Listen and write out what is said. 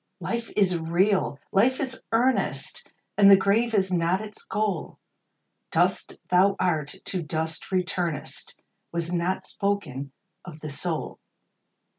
Life is real ! Life is earnest ! And the grave is not its goal ; Dust thou art, to dust returnest, Was not spoken of the soul.